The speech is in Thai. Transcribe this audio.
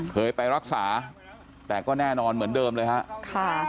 เคยไปรักษาแต่ก็แน่นอนเหมือนเดิมเลยฮะค่ะ